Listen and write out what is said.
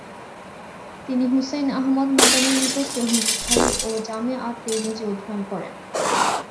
তিনি হুসাইন আহমদ মাদানির নিকট সহিহ বুখারি ও জামি আত-তিরমিযি অধ্যয়ন করেন।